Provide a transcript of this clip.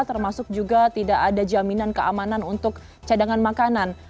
termasuk juga tidak ada jaminan keamanan untuk cadangan makanan